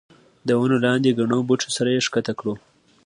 د ونو لاندې ګڼو بوټو سره یې ښکته کړو.